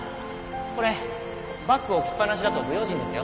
これバッグ置きっぱなしだと不用心ですよ。